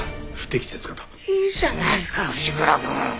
いいじゃないか藤倉くん。